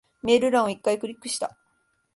メール欄を一回クリックした。